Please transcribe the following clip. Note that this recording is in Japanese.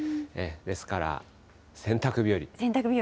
ですから、洗濯日和。